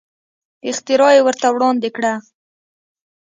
اختراع یې ورته وړاندې کړه.